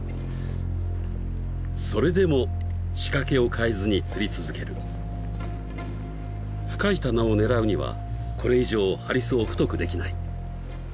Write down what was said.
それでも仕掛けを変えずに釣り続ける深いタナを狙うにはこれ以上ハリスを太くできない